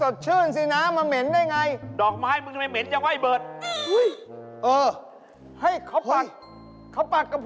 อ๋อที่นี่ไม่ขอไม่มีบริจาคนะครับ